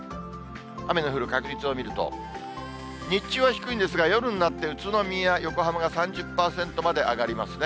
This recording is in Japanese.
雨の降る確率を見ると、日中は低いんですが、夜になって、宇都宮、横浜が３０％まで上がりますね。